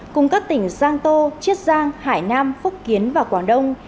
cùng các tỉnh giang tô chiết giang hải nam phúc kiến và quảng đông